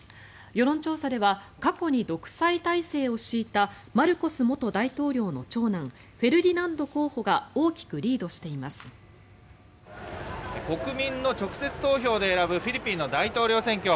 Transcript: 世論調査では過去に独裁体制を敷いたマルコス元大統領の長男フェルディナンド候補が国民の直接投票で選ぶフィリピンの大統領選挙。